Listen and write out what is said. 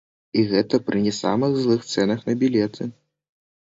І гэта пры не самых злых цэнах на білеты.